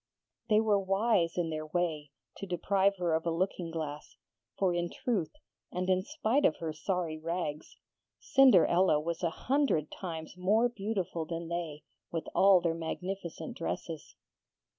They were wise in their way to deprive her of a looking glass; for in truth, and in spite of her sorry rags, Cinderella was a hundred times more beautiful than they with all their magnificent dresses.